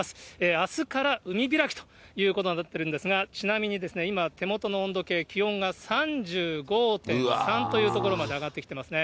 あすから海開きということになってるんですが、ちなみにですね、今、手元の温度計、気温が３５．３というところまで上がってきてますね。